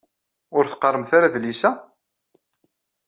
Ur teqqaṛemt ara adlis-a?